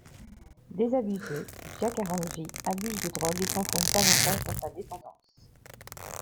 Désabusée, Gia Carangi abuse de drogues et s’enfonce davantage dans sa dépendance.